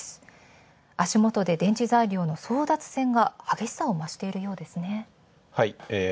足元で電池材料の争奪戦が激しさをましているようですね。